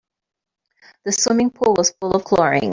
The swimming pool was full of chlorine.